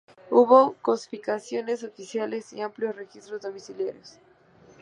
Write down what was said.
Hubo confiscaciones oficiales y amplios registros domiciliarios.